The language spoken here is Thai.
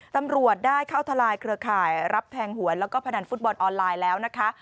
ตำรวจได้เข้าทลายเครือข่ายรับแทงหวนแล้วก็พนันฟุตบอลออนไลน์แล้วนะคะ